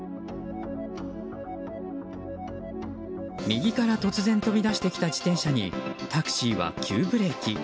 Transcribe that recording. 右から突然飛び出してきた自転車にタクシーは急ブレーキ。